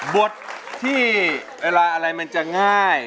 บทที่เวลาอะไรมันจะง่าย